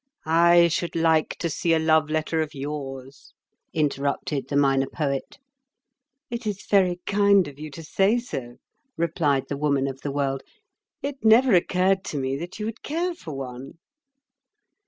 "I should like to see a love letter of yours," interrupted the Minor Poet. "It is very kind of you to say so," replied the Woman of the World. "It never occurred to me that you would care for one."